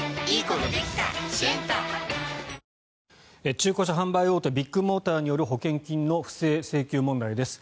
中古車販売大手ビッグモーターによる保険金の不正請求問題です。